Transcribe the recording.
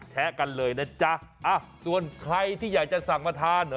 แชะกันเลยนะจ๊ะส่วนใครที่อยากจะสั่งมาทาน